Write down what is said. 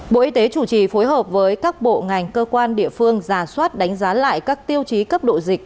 bộ y tế chủ trì phối hợp với các bộ ngành cơ quan địa phương giả soát đánh giá lại các tiêu chí cấp độ dịch